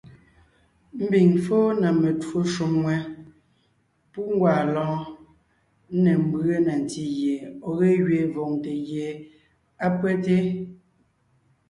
Ḿbiŋ fɔ́ɔn na metwó shúm ŋwɛ́, pú ńgwaa lɔ́ɔn, ńne ḿbʉe na ntí gie ɔ̀ ge gẅiin vòŋte gie á pÿɛ́te.